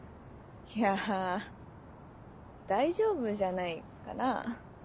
いやぁ大丈夫じゃないかな？